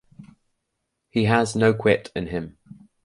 He has no quit in him.